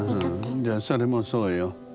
じゃあそれもそうよ。